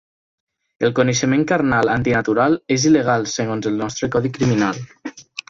El coneixement carnal antinatural és il·legal segons el nostre codi criminal.